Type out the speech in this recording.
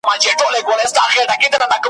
یار به کله راسي، وايي بله ورځ ,